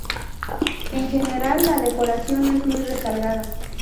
En general la decoración es muy recargada.